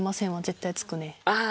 ああ！